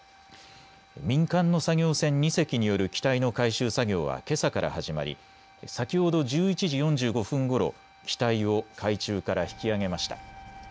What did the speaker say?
民間の作業船２隻による機体の回収作業はけさから始まり先ほど１１時４５分ごろ、機体を海中から引き揚げました。